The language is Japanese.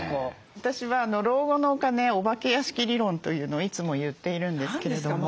私は老後のお金お化け屋敷理論というのをいつも言っているんですけれども。